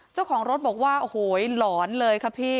เจ้าของรถบอกว่าโอ้โหหลอนเลยค่ะพี่